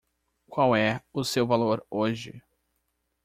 Qual é o seu valor hoje?